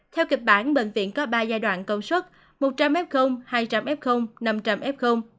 theo kịch bản bệnh viện có ba giai đoạn công suất một trăm linh f hai trăm linh f năm trăm linh f